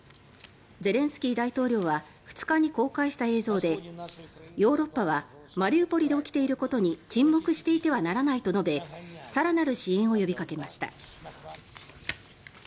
ゼレンスキー大統領は２日に公開した映像でヨーロッパはマリウポリで起きていることに沈黙していてはならないと述べ更なる支援を呼びかけました。